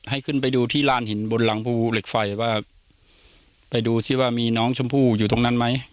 ให้ขึ้นไปดูที่ลานหินบนหลังภูเหล็กไฟว่าไปดูซิว่ามีน้องชมพู่อยู่ตรงนั้นไหม